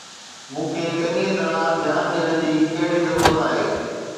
مون کي چڱيءَ طرح ڌيان ڏيڻ جي ڪهڙي ضرورت آهي؟